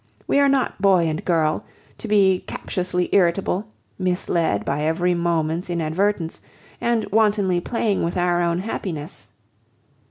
We are not boy and girl, to be captiously irritable, misled by every moment's inadvertence, and wantonly playing with our own happiness."